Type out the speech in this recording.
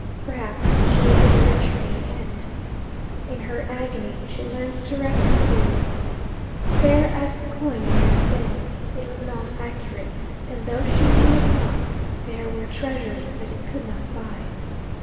Perhaps she will be the richer in the end. In her agony she learns to reckon clearly. Fair as the coin may have been, it was not accurate; and though she knew it not, there were treasures that it could not buy.